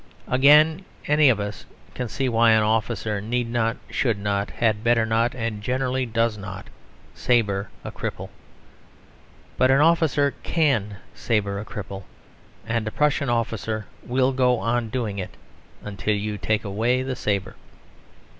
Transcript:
Again, any of us can see why an officer need not, should not, had better not, and generally does not, sabre a cripple. But an officer can sabre a cripple; and a Prussian officer will go on doing it until you take away the sabre.